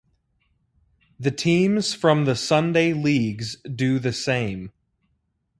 The teams from the Sunday leagues do the same.